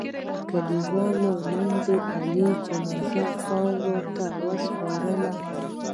کلیوالو نن د علي جنازه خاورو ته و سپارله.